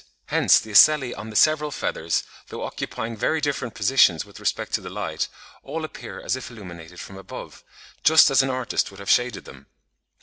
Hence the ocelli on the several feathers, though occupying very different positions with respect to the light, all appear as if illuminated from above, just as an artist would have shaded them.